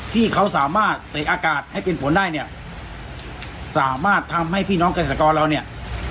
ที่เขาสามารถใส่อากาศให้เป็นฝนได้เนี่ยสามารถทำให้พี่น้องเกษตรกรเราเนี่ย